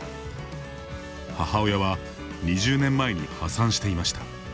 母親は、２０年前に破産していました。